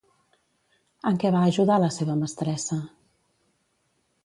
En què va ajudar la seva mestressa?